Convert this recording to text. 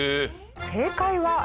正解は。